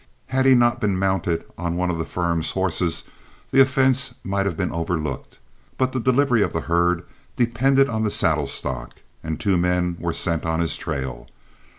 Had he not been mounted on one of the firm's horses the offense might have been overlooked. But the delivery of the herd depended on the saddle stock, and two men were sent on his trail.